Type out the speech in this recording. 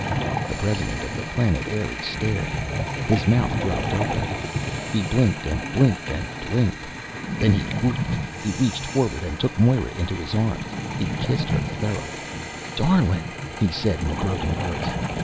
The president of the planet Eire stared. His mouth dropped open. He blinked and blinked and blinked. Then he whooped. He reached forward and took Moira into his arms. He kissed her thoroughly. "Darlin'!" he said in a broken voice.